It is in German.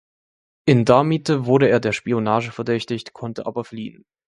In Damiette wurde er der Spionage verdächtigt, konnte aber fliehen.